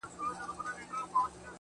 چي چي زړه وي تر هغو درپسې ژاړم~